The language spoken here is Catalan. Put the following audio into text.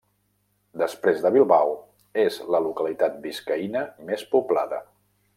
Després de Bilbao és la localitat biscaïna més poblada.